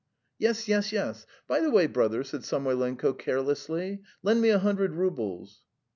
"Yes, yes, yes. ... By the way, brother," said Samoylenko carelessly, "lend me a hundred roubles."